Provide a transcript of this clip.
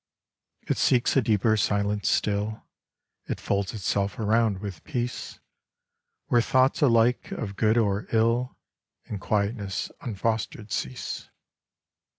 It seeks a deeper silence still ; It folds itself around with peace, Where thoughts alike of good or ill In quietness unfostered cease.